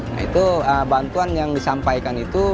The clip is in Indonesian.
nah itu bantuan yang disampaikan itu